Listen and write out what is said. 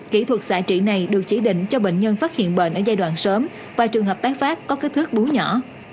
kỹ thuật xạ trị này được chỉ định cho bệnh nhân phát hiện bệnh ở giai đoạn sớm và trường hợp tái phát có kích thước bú nhỏ